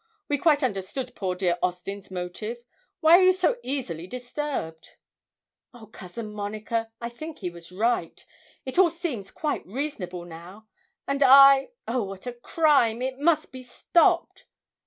We quite understood poor dear Austin's motive. Why are you so easily disturbed?' 'Oh, Cousin Monica, I think he was right; it all seems quite reasonable now; and I oh, what a crime! it must be stopped.'